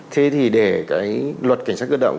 thế thì để cái luật cảnh sát cơ động